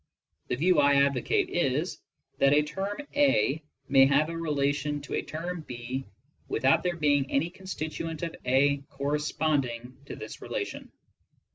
The view I advocate is, that a term a may have a relation to a term b without there being any constituent of a corresi>onding to this relation.